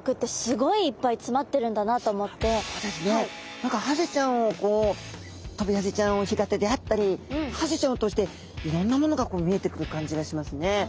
何かハゼちゃんをこうトビハゼちゃんを干潟であったりハゼちゃんを通していろんなものがこう見えてくる感じがしますね。